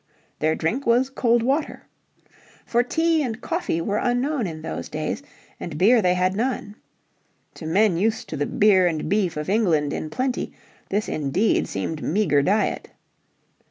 Their drink was cold water. For tea and coffee were unknown in those days, and beer they had none. To men used to the beer and beef of England in plenty this indeed seemed meagre diet.